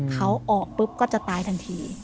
เขาออกปุ๊บก็จะตายทันที